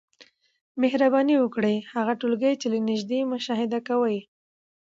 مهرباني وکړئ هغه ټولګي چي له نیژدې مشاهده کوی